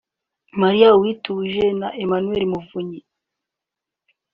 Miriam Uwintije na Emmanuel Muvunyi